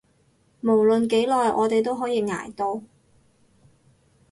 無論幾耐，我哋都可以捱到